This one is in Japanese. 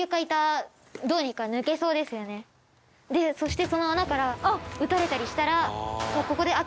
そしてその穴から撃たれたりしたら。